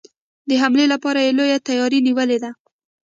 د حملې لپاره یې لويه تیاري نیولې ده.